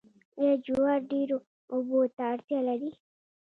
آیا جوار ډیرو اوبو ته اړتیا لري؟